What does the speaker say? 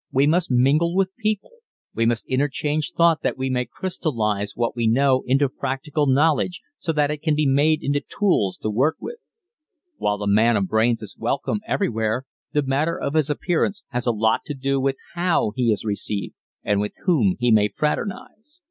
We must mingle with people; we must interchange thought that we may crystallize what we know into practical knowledge so it can be made into tools to work with. While a man of brains is welcome everywhere the matter of his appearance has a lot to do with how he is received and with whom he may fraternize.